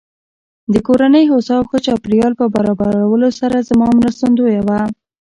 د کورنۍ هوسا او ښه چاپېريال په برابرولو سره زما مرستندويه وه.